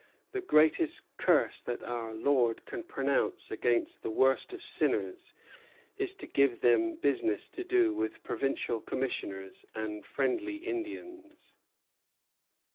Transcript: The greatest curse that our Lord can pronounce against the worst of sinners is to give them business to do with provincial commissioners and friendly Indians."